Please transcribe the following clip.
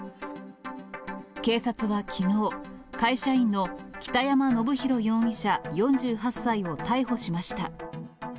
警察はきのう、会社員の北山信宏容疑者４８歳を逮捕しました。